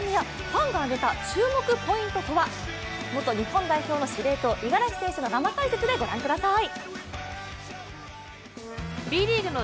ファンが挙げた注目ポイントとは元日本代表の司令塔五十嵐選手の生解説で御覧ください。